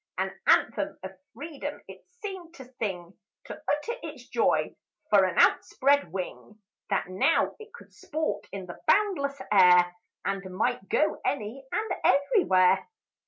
An anthem of freedom it seemed to sing; To utter its joy for an outspread wing, That now it could sport in the boundless air, And might go any and every where.